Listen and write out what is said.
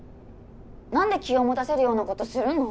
何で気を持たせるようなことするの？